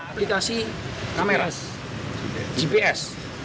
aplikasi kamera gps